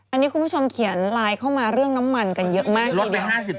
อันนี้คุณผู้ชมเขียนไลน์เข้ามาเรื่องน้ำมันกันเยอะมากเลย